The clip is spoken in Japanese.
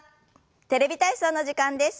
「テレビ体操」の時間です。